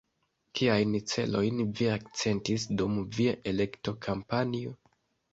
Kiajn celojn vi akcentis dum via elektokampanjo?